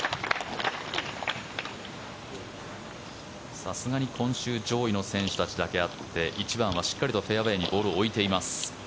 さすがに今週上位の選手たちだけあって１番はしっかりとフェアウェーにボールを置いています。